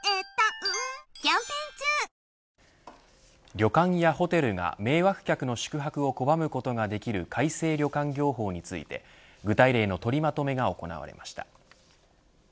旅館やホテルが迷惑客の宿泊を拒むことができる改正旅館業法について具体例の取りまとめが行われました。